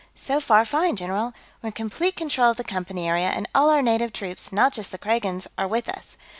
"So far, fine, general. We're in complete control of the Company area, and all our native troops, not just the Kragans, are with us.